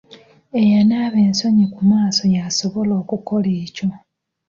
Eyanaaba ensonyi ku maaso y'asobola okukola ekyo.